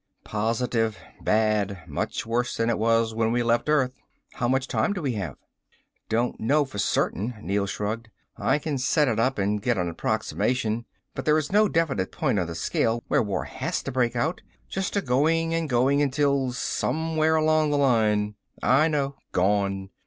"Positive. Bad. Much worse than it was when we left Earth." "How much time do we have?" "Don't know for certain," Neel shrugged. "I can set it up and get an approximation. But there is no definite point on the scale where war has to break out. Just a going and going until, somewhere along the line " "I know. Gone."